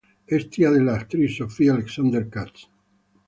Es tía de la actriz Sophie Alexander-Katz.